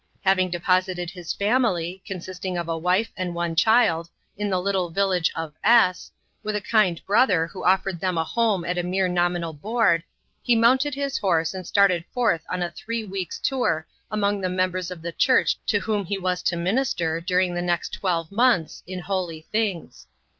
Having deposited his family, consisting of a wife and one child, in the little village of S , with a kind brother, who offered them a home at a mere nominal board, he mounted his horse and started forth on a three weeks' tour among the members of the church to whom he was to minister, during the next twelve months, in holy things.